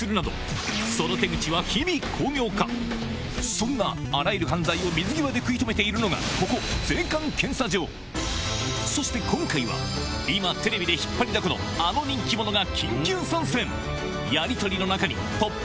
そんなあらゆる犯罪を水際で食い止めているのがそして今回は今テレビで引っ張りだこのだったらもっと。